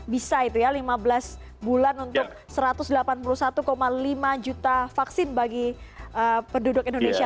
bisa itu ya lima belas bulan untuk satu ratus delapan puluh satu lima juta vaksin bagi penduduk indonesia